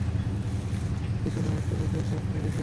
আহামরি কিছু না, একটু নখের দাগ লেগেছে।